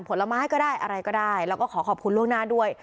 ผลไม้ก็ได้อะไรก็ได้แล้วก็ขอขอบคุณล่วงหน้าด้วย